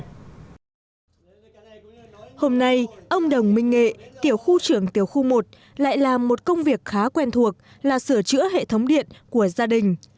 hôm nay ông đồng minh nghệ tiểu khu trưởng tiểu khu một lại làm một công việc khá quen thuộc là sửa chữa hệ thống điện của gia đình